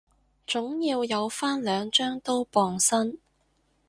總要有返兩張刀傍身